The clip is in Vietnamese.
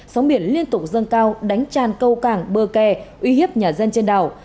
sóng biển liên tục dâng cao đánh tràn câu càng bơ kè uy hiếp nhà dân trên đảo